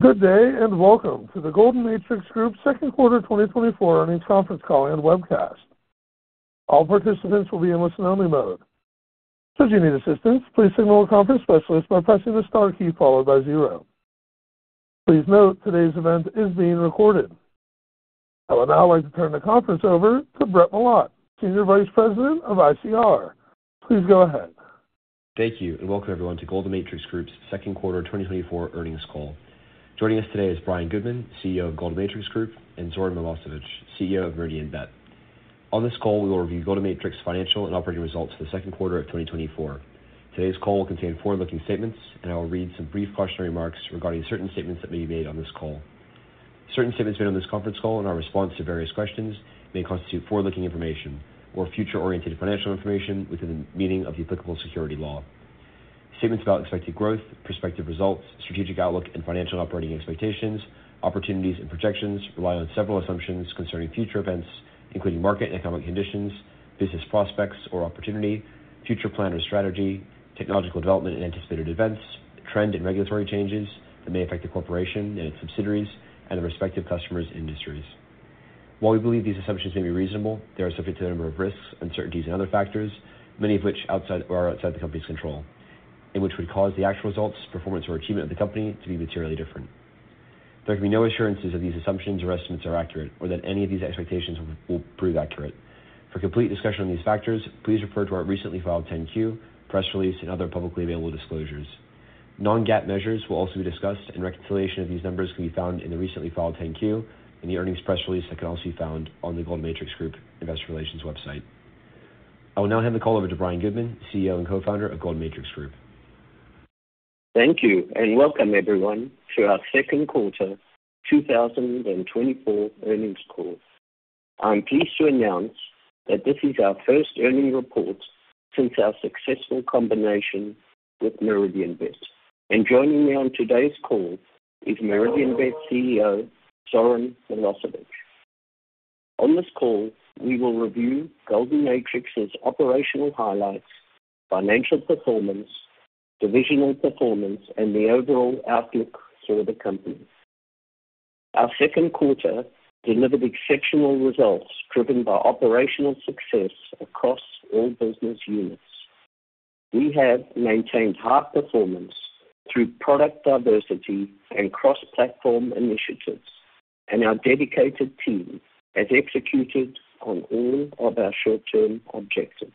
Good day, and welcome to the Golden Matrix Group Second Quarter 2024 Earnings Conference Call and Webcast. All participants will be in listen-only mode. So if you need assistance, please signal a conference specialist by pressing the star key followed by zero. Please note, today's event is being recorded. I would now like to turn the conference over to Brett Milotte, Senior Vice President of ICR. Please go ahead. Thank you, and welcome everyone to Golden Matrix Group's second quarter 2024 earnings call. Joining us today is Brian Goodman, CEO of Golden Matrix Group, and Zoran Milosevic, CEO of Meridianbet. On this call, we will review Golden Matrix financial and operating results for the second quarter of 2024. Today's call will contain forward-looking statements, and I will read some brief cautionary remarks regarding certain statements that may be made on this call. Certain statements made on this conference call and our response to various questions may constitute forward-looking information or future-oriented financial information within the meaning of the applicable securities law. Statements about expected growth, prospective results, strategic outlook and financial operating expectations, opportunities and projections rely on several assumptions concerning future events, including market and economic conditions, business prospects or opportunity, future plan or strategy, technological development and anticipated events, trend and regulatory changes that may affect the corporation and its subsidiaries and their respective customers' industries. While we believe these assumptions may be reasonable, they are subject to a number of risks, uncertainties, and other factors, many of which outside, are outside the company's control, and which would cause the actual results, performance, or achievement of the company to be materially different. There can be no assurances that these assumptions or estimates are accurate or that any of these expectations will, will prove accurate. For complete discussion on these factors, please refer to our recently filed 10-Q, press release and other publicly available disclosures. Non-GAAP measures will also be discussed, and reconciliation of these numbers can be found in the recently filed 10-Q, and the earnings press release that can also be found on the Golden Matrix Group Investor Relations website. I will now hand the call over to Brian Goodman, CEO and Co-Founder of Golden Matrix Group. Thank you, and welcome everyone to our Second Quarter 2024 Earnings Call. I'm pleased to announce that this is our first earnings report since our successful combination with Meridianbet. Joining me on today's call is Meridianbet CEO, Zoran Milosevic. On this call, we will review Golden Matrix's operational highlights, financial performance, divisional performance, and the overall outlook for the company. Our second quarter delivered exceptional results, driven by operational success across all business units. We have maintained high performance through product diversity and cross-platform initiatives, and our dedicated team has executed on all of our short-term objectives.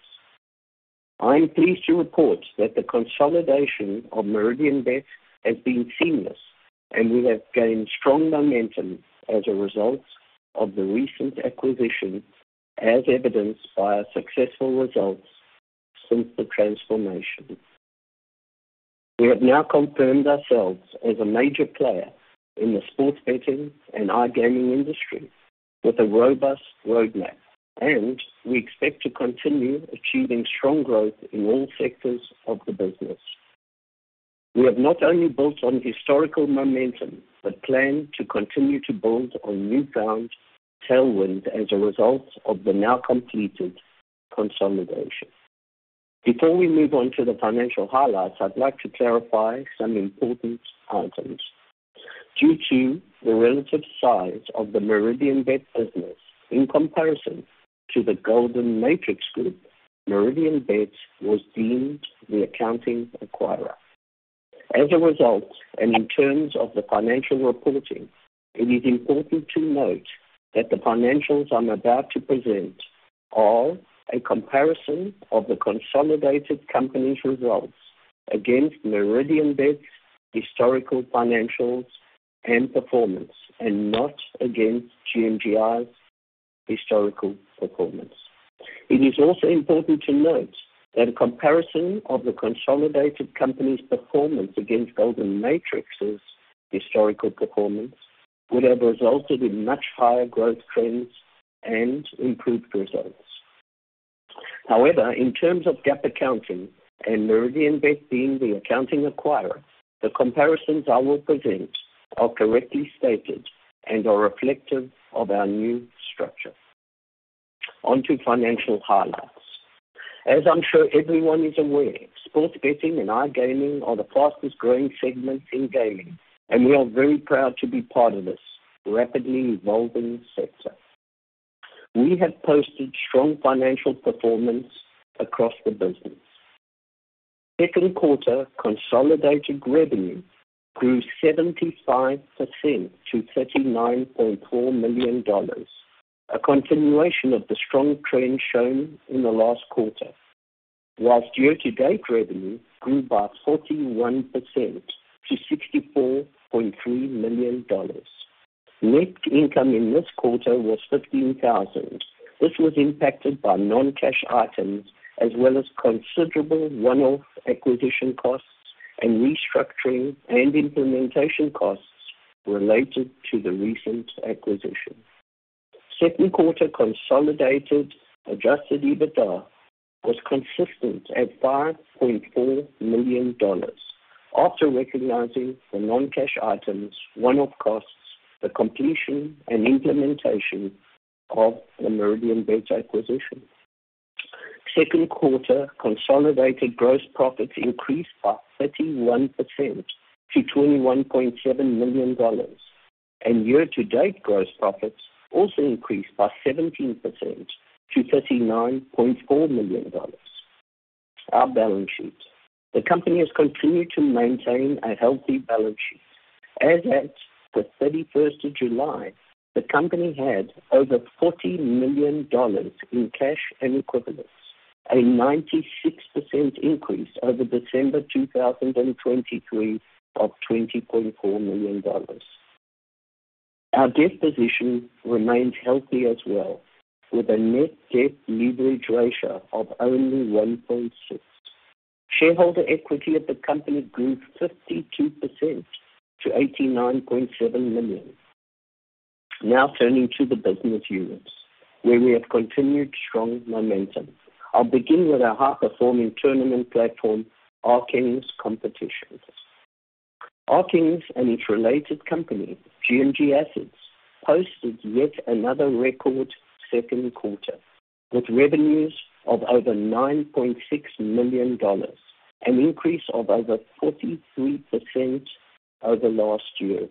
I am pleased to report that the consolidation of Meridianbet has been seamless, and we have gained strong momentum as a result of the recent acquisition, as evidenced by our successful results since the transformation. We have now confirmed ourselves as a major player in the sports betting and iGaming industry with a robust roadmap, and we expect to continue achieving strong growth in all sectors of the business. We have not only built on historical momentum but plan to continue to build on newfound tailwind as a result of the now completed consolidation. Before we move on to the financial highlights, I'd like to clarify some important items. Due to the relative size of the Meridianbet business in comparison to the Golden Matrix Group, Meridianbet was deemed the accounting acquirer. As a result, and in terms of the financial reporting, it is important to note that the financials I'm about to present are a comparison of the consolidated company's results against Meridianbet's historical financials and performance, and not against GMGI's historical performance. It is also important to note that a comparison of the consolidated company's performance against Golden Matrix's historical performance would have resulted in much higher growth trends and improved results. However, in terms of GAAP accounting and Meridianbet being the accounting acquirer, the comparisons I will present are correctly stated and are reflective of our new structure. On to financial highlights. As I'm sure everyone is aware, sports betting and iGaming are the fastest-growing segments in gaming, and we are very proud to be part of this rapidly evolving sector. We have posted strong financial performance across the business. Second quarter consolidated revenue grew 75% to $39.4 million, a continuation of the strong trend shown in the last quarter. While year-to-date revenue grew by 41% to $64.3 million. Net income in this quarter was $15,000. This was impacted by non-cash items as well as considerable one-off acquisition costs and restructuring and implementation costs related to the recent acquisition. Second quarter consolidated Adjusted EBITDA was consistent at $5.4 million, after recognizing the non-cash items, one-off costs, the completion and implementation of the Meridianbet acquisition. Second quarter consolidated gross profits increased by 31% to $21.7 million, and year-to-date gross profits also increased by 17% to $39.4 million. Our balance sheet. The company has continued to maintain a healthy balance sheet. As at July 31, the company had over $40 million in cash and equivalents, a 96% increase over December 2023 of $20.4 million. Our debt position remains healthy as well, with a net debt leverage ratio of only 1.6. Shareholder equity of the company grew 52% to $89.7 million. Now turning to the business units, where we have continued strong momentum. I'll begin with our high-performing tournament platform, RKings Competitions. RKings Competitions and its related company, GMG Assets, posted yet another record second quarter, with revenues of over $9.6 million, an increase of over 43% over last year.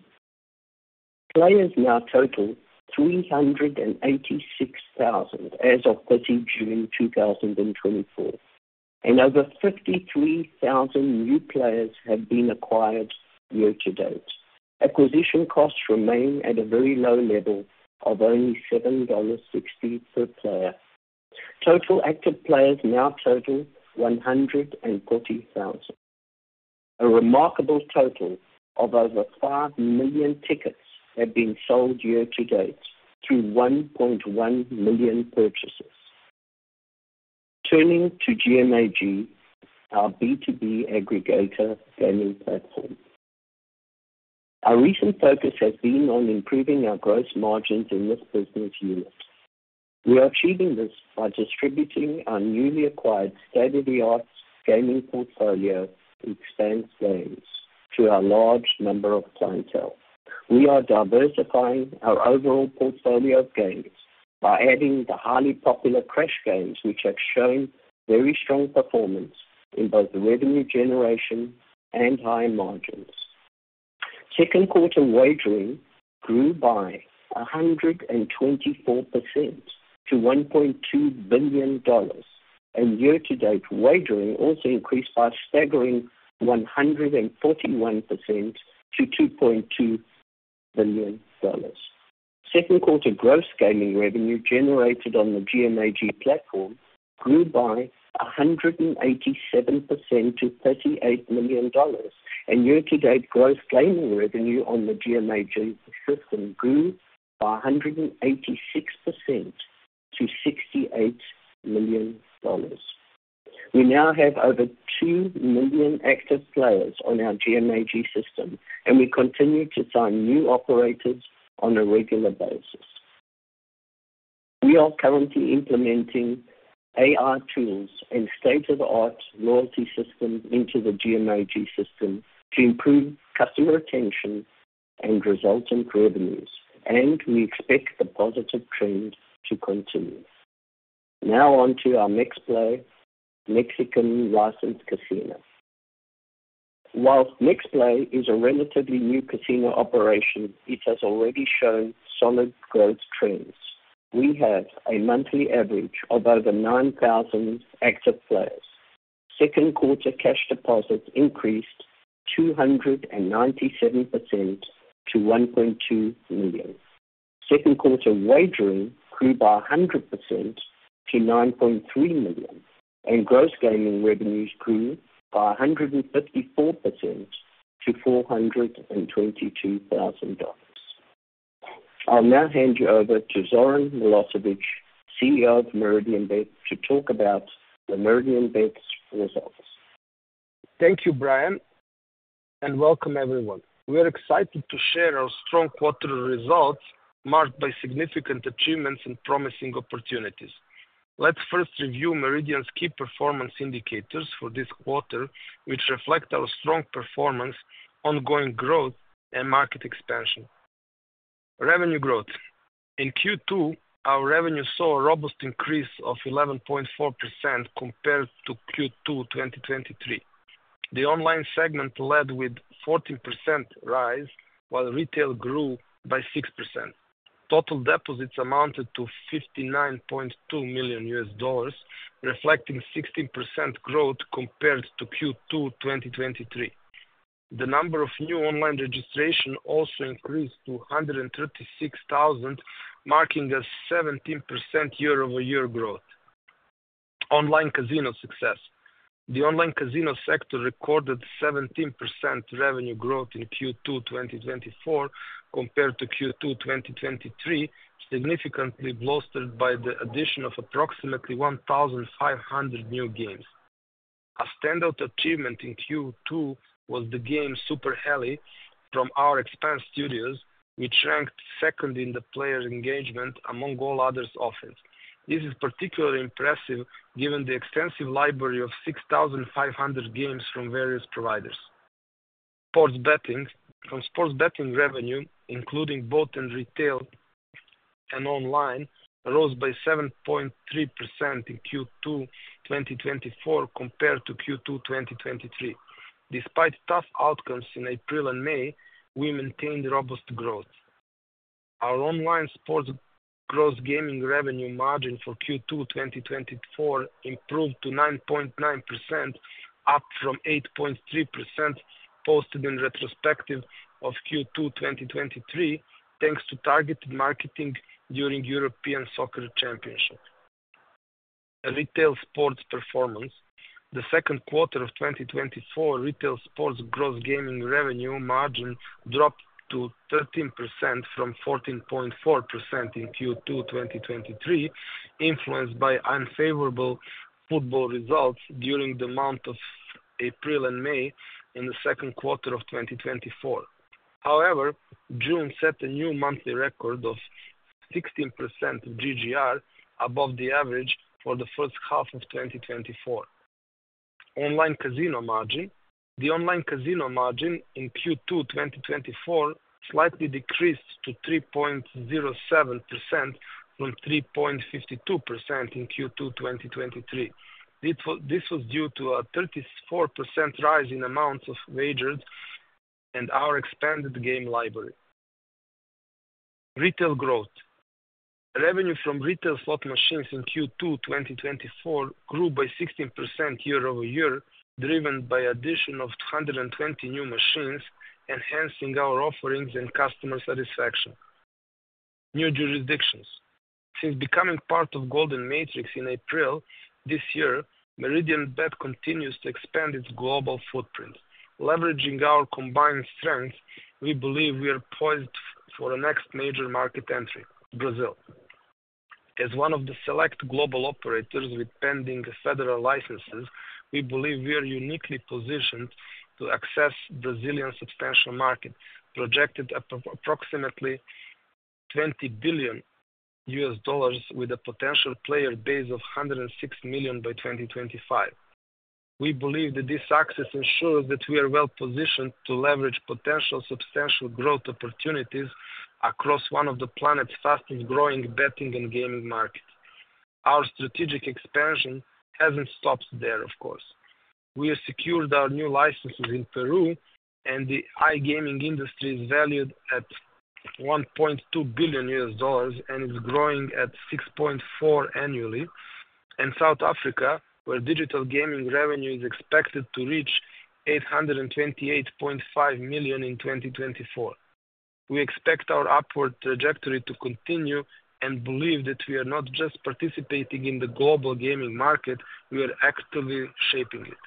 Players now total 386,000 as of 30 June 2024, and over 53,000 new players have been acquired year to date. Acquisition costs remain at a very low level of only $7.60 per player. Total active players now total 140,000. A remarkable total of over 5 million tickets have been sold year to date through 1.1 million purchases. Turning to GM-Ag, our B2B aggregator gaming platform. Our recent focus has been on improving our gross margins in this business unit. We are achieving this by distributing our newly acquired state-of-the-art gaming portfolio, Expanse Games, to a large number of clientele. We are diversifying our overall portfolio of games by adding the highly popular crash games, which have shown very strong performance in both revenue generation and high margins. Second quarter wagering grew by 124% to $1.2 billion, and year-to-date wagering also increased by a staggering 141% to $2.2 billion. Second quarter gross gaming revenue generated on the GM-Ag platform grew by 187% to $38 million, and year-to-date gross gaming revenue on the GM-Ag system grew by 186% to $68 million. We now have over 2 million active players on our GM-Ag system, and we continue to sign new operators on a regular basis. We are currently implementing AI tools and state-of-the-art loyalty system into the GM-Ag system to improve customer retention and resultant revenues, and we expect the positive trend to continue. Now on to our MexPlay Mexican licensed casino. While MexPlay is a relatively new casino operation, it has already shown solid growth trends. We have a monthly average of over 9,000 active players. Second quarter cash deposits increased 297% to $1.2 million. Second quarter wagering grew by 100% to $9.3 million, and gross gaming revenues grew by 154% to $422,000. I'll now hand you over to Zoran Milosevic, CEO of Meridianbet, to talk about the Meridianbet's results. Thank you, Brian, and welcome everyone. We are excited to share our strong quarter results, marked by significant achievements and promising opportunities. Let's first review Meridian's key performance indicators for this quarter, which reflect our strong performance, ongoing growth, and market expansion. Revenue growth. In Q2, our revenue saw a robust increase of 11.4% compared to Q2 2023. The online segment led with 14% rise, while retail grew by 6%. Total deposits amounted to $59.2 million, reflecting 16% growth compared to Q2 2023. The number of new online registration also increased to 136,000, marking a 17% year-over-year growth. Online casino success. The online casino sector recorded 17% revenue growth in Q2 2024, compared to Q2 2023, significantly bolstered by the addition of approximately 1,500 new games. A standout achievement in Q2 was the game Super Heli from our Expanse Studios, which ranked second in the player engagement among all others offered. This is particularly impressive given the extensive library of 6,500 games from various providers. Sports betting. Our sports betting revenue, including both in retail and online, rose by 7.3% in Q2 2024 compared to Q2 2023. Despite tough outcomes in April and May, we maintained robust growth. Our online sports gross gaming revenue margin for Q2 2024 improved to 9.9%, up from 8.3%, posted in retrospective of Q2 2023, thanks to targeted marketing during European Soccer Championship. A retail sports performance. The second quarter of 2024, retail sports gross gaming revenue margin dropped to 13% from 14.4% in Q2 2023, influenced by unfavorable football results during the month of April and May in the second quarter of 2024. However, June set a new monthly record of 16% GGR above the average for the first half of 2024. Online casino margin. The online casino margin in Q2 2024 slightly decreased to 3.07% from 3.52% in Q2 2023. This was due to a 34% rise in amounts of wagered and our expanded game library. Retail growth. Revenue from retail slot machines in Q2 2024 grew by 16% year-over-year, driven by addition of 120 new machines, enhancing our offerings and customer satisfaction. New jurisdictions. Since becoming part of Golden Matrix in April this year, Meridianbet continues to expand its global footprint. Leveraging our combined strength, we believe we are poised for the next major market entry, Brazil. As one of the select global operators with pending federal licenses, we believe we are uniquely positioned to access Brazilian substantial market, projected at approximately $20 billion with a potential player base of 106 million by 2025. We believe that this access ensures that we are well-positioned to leverage potential substantial growth opportunities across one of the planet's fastest-growing betting and gaming markets. Our strategic expansion hasn't stopped there, of course. We have secured our new licenses in Peru, and the iGaming industry is valued at $1.2 billion and is growing at 6.4% annually. In South Africa, where digital gaming revenue is expected to reach $828.5 million in 2024. We expect our upward trajectory to continue and believe that we are not just participating in the global gaming market, we are actively shaping it.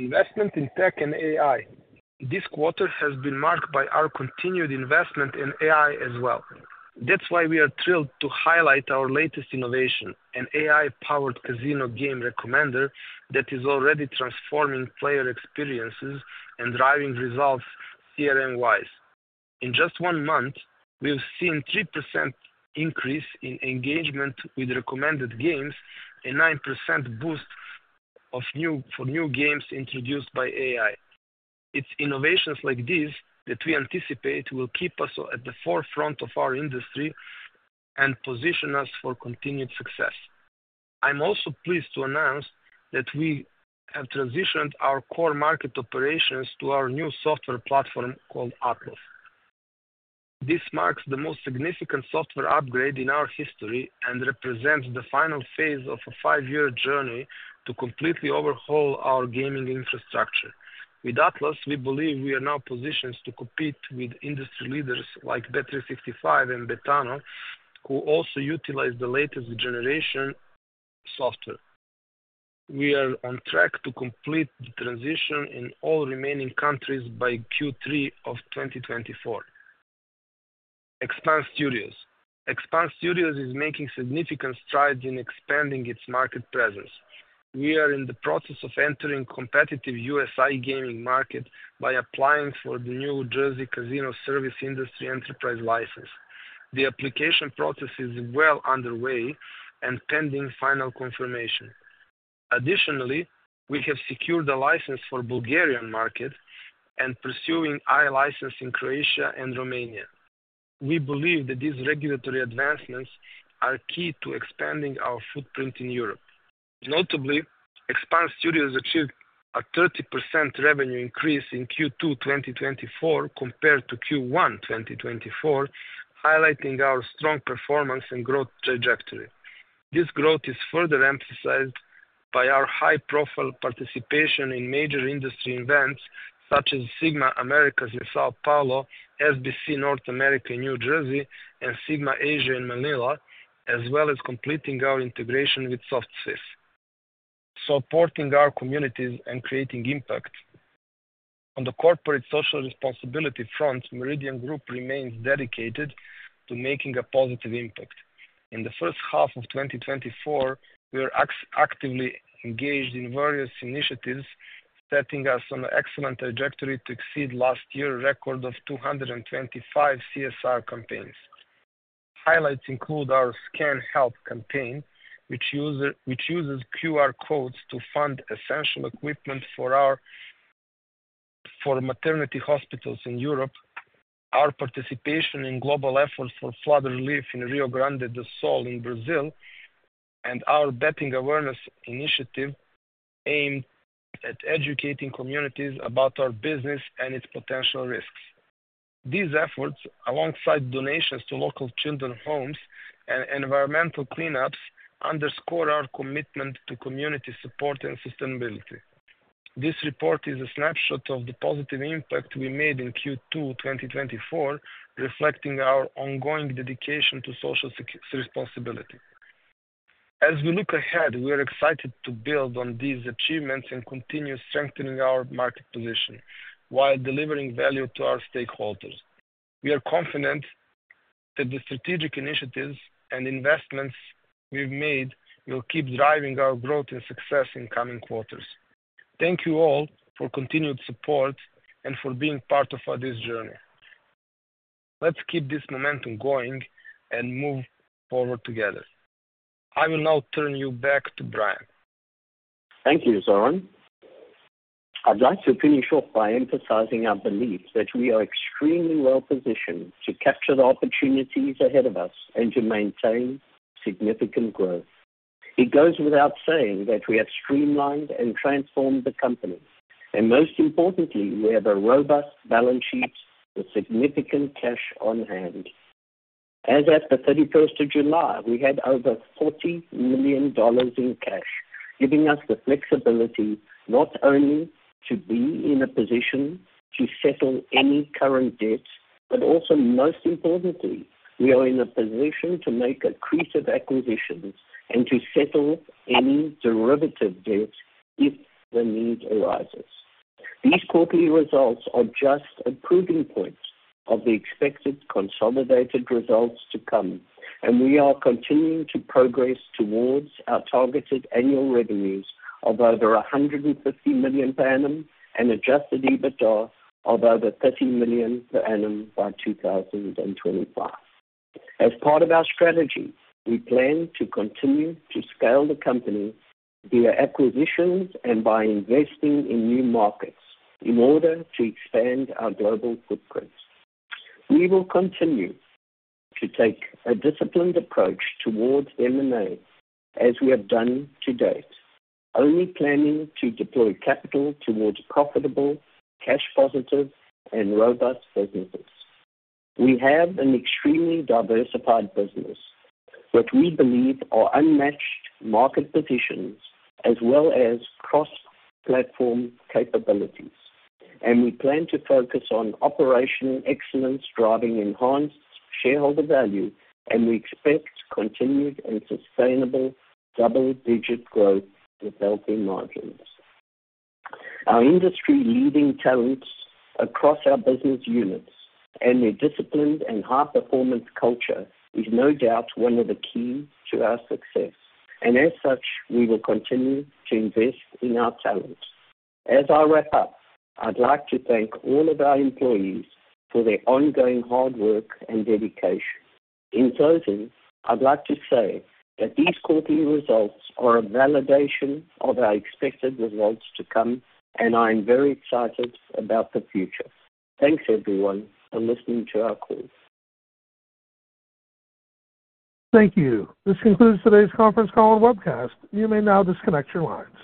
Investment in tech and AI. This quarter has been marked by our continued investment in AI as well. That's why we are thrilled to highlight our latest innovation, an AI-powered casino game recommender, that is already transforming player experiences and driving results CRM-wise. In just one month, we have seen 3% increase in engagement with recommended games, a 9% boost for new games introduced by AI. It's innovations like these that we anticipate will keep us at the forefront of our industry and position us for continued success. I'm also pleased to announce that we have transitioned our core market operations to our new software platform called Atlas. This marks the most significant software upgrade in our history and represents the final phase of a five-year journey to completely overhaul our gaming infrastructure. With Atlas, we believe we are now positioned to compete with industry leaders like Bet365 and Betano, who also utilize the latest generation software. We are on track to complete the transition in all remaining countries by Q3 of 2024. Expanse Studios. Expanse Studios is making significant strides in expanding its market presence. We are in the process of entering competitive US iGaming market by applying for the New Jersey Casino Service Industry Enterprise license. The application process is well underway and pending final confirmation. Additionally, we have secured a license for Bulgarian market and pursuing a license in Croatia and Romania. We believe that these regulatory advancements are key to expanding our footprint in Europe. Notably, Expanse Studios achieved a 30% revenue increase in Q2 2024 compared to Q1 2024, highlighting our strong performance and growth trajectory. This growth is further emphasized by our high-profile participation in major industry events such as SiGMA Americas in São Paulo, SBC North America in New Jersey, and SiGMA Asia in Manila, as well as completing our integration with SoftSwiss. Supporting our communities and creating impact. On the corporate social responsibility front, Meridianbet remains dedicated to making a positive impact. In the first half of 2024, we are actively engaged in various initiatives, setting us on an excellent trajectory to exceed last year's record of 225 CSR campaigns.... Highlights include our Scan to Help campaign, which uses QR codes to fund essential equipment for maternity hospitals in Europe, our participation in global efforts for flood relief in Rio Grande do Sul in Brazil, and our betting awareness initiative aimed at educating communities about our business and its potential risks. These efforts, alongside donations to local children homes and environmental cleanups, underscore our commitment to community support and sustainability. This report is a snapshot of the positive impact we made in Q2 2024, reflecting our ongoing dedication to social responsibility. As we look ahead, we are excited to build on these achievements and continue strengthening our market position while delivering value to our stakeholders. We are confident that the strategic initiatives and investments we've made will keep driving our growth and success in coming quarters. Thank you all for continued support and for being part of this journey. Let's keep this momentum going and move forward together. I will now turn you back to Brian. Thank you, Zoran. I'd like to finish off by emphasizing our belief that we are extremely well positioned to capture the opportunities ahead of us and to maintain significant growth. It goes without saying that we have streamlined and transformed the company, and most importantly, we have a robust balance sheet with significant cash on hand. As at the 31st of July, we had over $40 million in cash, giving us the flexibility not only to be in a position to settle any current debts, but also, most importantly, we are in a position to make accretive acquisitions and to settle any derivative debts if the need arises. These quarterly results are just a proving point of the expected consolidated results to come, and we are continuing to progress towards our targeted annual revenues of over $150 million per annum and Adjusted EBITDA of over $30 million per annum by 2025. As part of our strategy, we plan to continue to scale the company via acquisitions and by investing in new markets in order to expand our global footprint. We will continue to take a disciplined approach towards M&A, as we have done to date, only planning to deploy capital towards profitable, cash positive and robust businesses. We have an extremely diversified business that we believe are unmatched market positions as well as cross-platform capabilities, and we plan to focus on operational excellence, driving enhanced shareholder value, and we expect continued and sustainable double-digit growth with healthy margins. Our industry-leading talents across our business units and their disciplined and high-performance culture is no doubt one of the key to our success. And as such, we will continue to invest in our talent. As I wrap up, I'd like to thank all of our employees for their ongoing hard work and dedication. In closing, I'd like to say that these quarterly results are a validation of our expected results to come, and I'm very excited about the future. Thanks, everyone, for listening to our call. Thank you. This concludes today's conference call and webcast. You may now disconnect your lines.